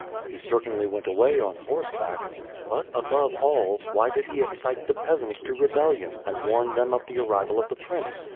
He certainly went away on horseback! But, above all, why did he excite the peasants to rebellion, and warn them of the arrival of the prince.